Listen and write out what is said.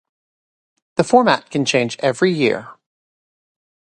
The format can change every year.